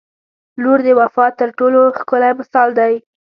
• لور د وفا تر ټولو ښکلی مثال دی.